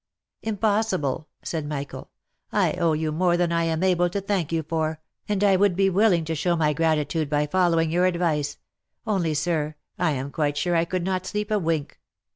" Impossible !" said Michael. "I owe you more than I am able to thank you for, and I would be willing to show my gratitude by fol lowing your advice — only, sir, I am quite sure I could not sleep a wink.